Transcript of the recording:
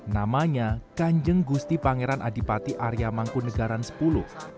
namanya kanjeng gusti pangeran adipati arya mangkunegaran sepuluh